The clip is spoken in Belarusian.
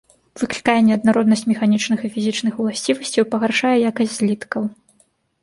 Выклікае неаднароднасць механічных і фізічных уласцівасцяў і пагаршае якасць зліткаў.